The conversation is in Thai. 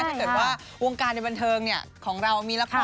ถ้าเกิดว่าวงการในบันเทิงของเรามีละคร